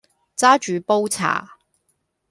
揸住煲茶